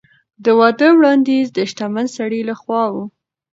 د واده وړاندیز د شتمن سړي له خوا و.